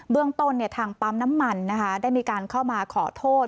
เรื่องต้นทางปั๊มน้ำมันได้มีการเข้ามาขอโทษ